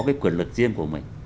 cái quyền lực riêng của mình